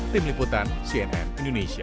tim liputan cnn indonesia